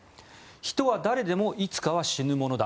人は誰でもいつかは死ぬものだ。